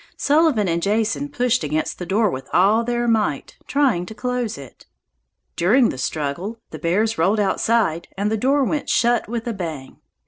Sullivan and Jason pushed against the door with all their might, trying to close it. During the struggle the bears rolled outside and the door went shut with a bang.